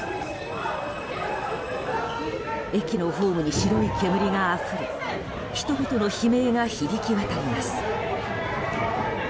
駅のホームに白い煙があふれ人々の悲鳴が響き渡ります。